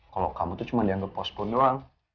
kalau kamu tuh cuma dianggap pospun doang